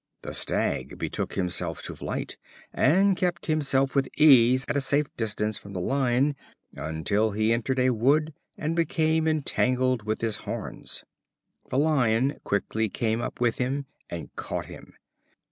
The Stag betook himself to flight, and kept himself with ease at a safe distance from the Lion, until he entered a wood and became entangled with his horns. The Lion quickly came up with him and caught him.